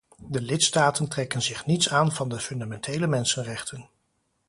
De lidstaten trekken zich niets aan van de fundamentele mensenrechten.